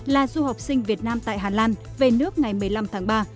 là du học sinh việt nam tại hà lan về nước ngày một mươi năm tháng ba